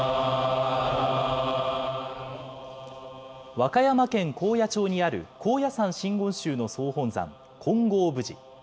和歌山県高野町にある高野山真言宗の総本山、金剛峯寺。